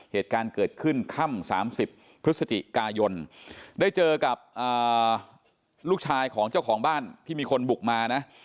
เหตุการณ์เกิดขึ้นค่ำ๓๐พฤศจิกายนได้เจอกับลูกชายของเจ้าของบ้านที่มีคนบุกมานะ